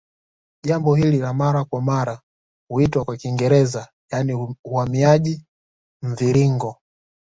Jambo hili la mara kwa mara huitwa kwa Kiingereza yaani uhamiaji mviringo